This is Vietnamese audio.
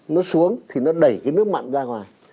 nó xuống thì nó đẩy cái nước mặn ra ngoài